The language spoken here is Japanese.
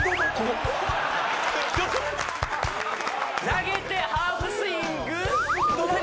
「投げてハーフスイング“どうぞ！”」